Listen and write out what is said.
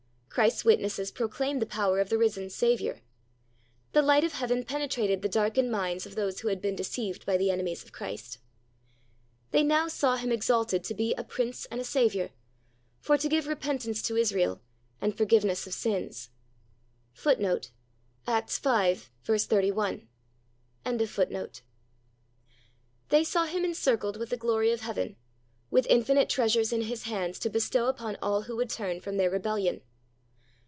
Christ's witnesses proclaimed the power of the risen Saviour. The light of heaven penetrated the darkened minds of those who had been deceived by the enemies of Christ. They now saw Him exalted to be "a Prince and a Saviour, for to give repentance to Israel, and forgiveness of sins."^ They saw Him encircled with the glory of heaven, with infinite treasures in His hands to bestow upon all who would turn from their rebellion.